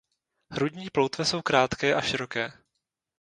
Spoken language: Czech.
Hrudní ploutve jsou krátké a široké.